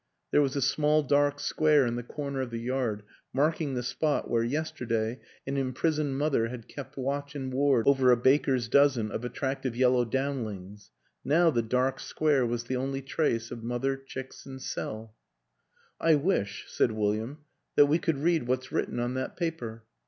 There was a small dark square in the corner of the yard marking the spot where yesterday an imprisoned mother had kept watch and ward over a baker's dozen of at tractive yellow downlings; now the dark square was the only trace of mother, chicks and cell. " I wish," said William, " that we could read what's written on that paper.